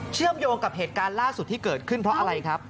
เชื่อมโยงกับเหตุการณ์ล่าสุดที่เกิดขึ้นเพราะอะไรครับ